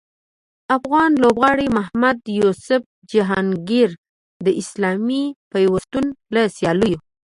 افغان لوبغاړي محمد یوسف جهانګیر د اسلامي پیوستون له سیالیو